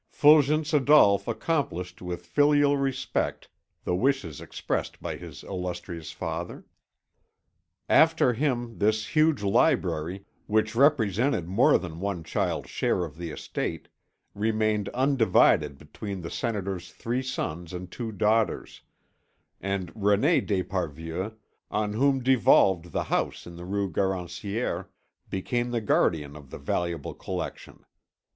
Fulgence Adolphe accomplished with filial respect the wishes expressed by his illustrious father. After him, this huge library, which represented more than one child's share of the estate, remained undivided between the Senator's three sons and two daughters; and René d'Esparvieu, on whom devolved the house in the Rue Garancière, became the guardian of the valuable collection.